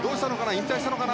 引退したのかな？